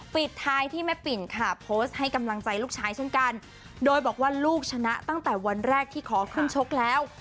ปิดท้ายที่แม่ปิ่นค่ะโพสต์ให้กำลังใจลูกชายเช่นกันโดยบอกว่าลูกชนะตั้งแต่วันแรกที่ขอขึ้นชกแล้ว